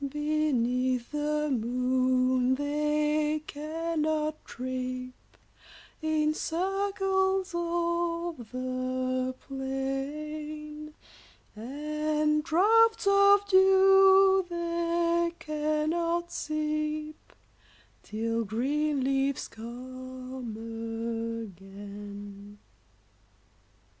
Beneath the moon they cannot trip In circles o'er the plain ; And draughts of dew they cannot sip, Till green leaves come again.